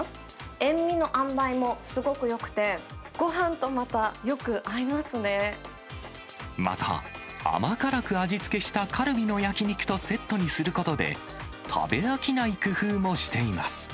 塩味のあんばいもすごくよくて、また、甘辛く味付けしたカルビの焼き肉とセットにすることで、食べ飽きない工夫もしています。